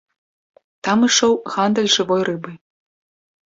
Там ішоў гандаль жывой рыбай.